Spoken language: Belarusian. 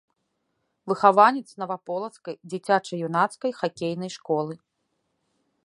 Выхаванец наваполацкай дзіцяча-юнацкай хакейнай школы.